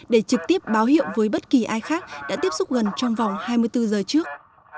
để trực tiếp báo hiệu với bất kỳ ai khác đã tiếp xúc gần trong vòng hai mươi bốn giờ trước